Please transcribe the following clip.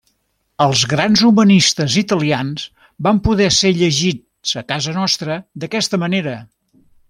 Els grans humanistes italians van poder ser llegits a casa nostra d’aquesta manera.